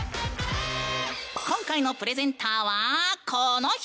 今回のプレゼンターはこの人！